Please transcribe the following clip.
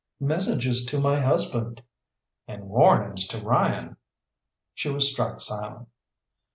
"Messages to my husband." "And warnings to Ryan!" She was struck silent.